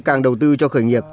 càng đầu tư cho khởi nghiệp